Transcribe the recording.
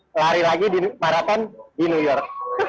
lari lagi di marathon di new york